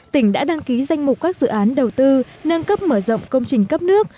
tỉnh đã đăng ký danh mục các dự án đầu tư nâng cấp mở rộng công trình cấp nước